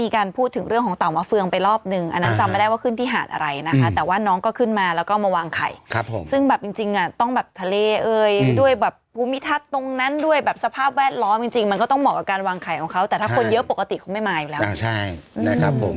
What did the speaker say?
การวางไข่ของเขาแต่ถ้าคนเยอะปกติเขาไม่มาอีกแล้วอ่าใช่นะครับผม